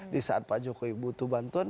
di saat pak jokowi butuh bantuan